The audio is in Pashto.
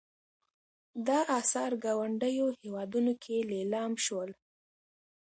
دا اثار ګاونډیو هېوادونو کې لیلام شول.